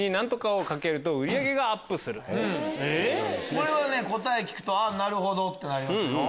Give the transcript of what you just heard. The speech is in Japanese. これは答えを聞くとなるほど！ってなりますよ。